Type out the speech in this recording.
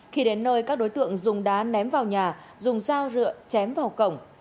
khi đến nơi các đối tượng dùng đá ném vào nhà dùng dao dựa chém vào cổng